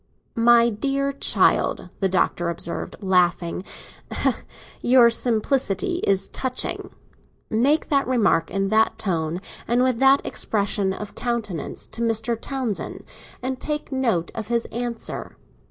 "My dear child," the Doctor observed, laughing, "your simplicity is touching. Make that remark, in that tone, and with that expression of countenance, to Mr. Townsend, and take a note of his answer.